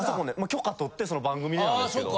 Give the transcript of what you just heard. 許可取って番組でなんですけど。